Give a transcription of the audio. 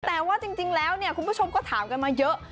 แต่ว่าจริงแล้วเนี่ยคุณผู้ชมก็ถามกันมาเยอะ